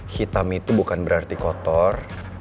hitam itu bukan berarti kotor